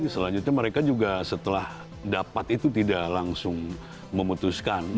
selanjutnya mereka juga setelah dapat itu tidak langsung memutuskan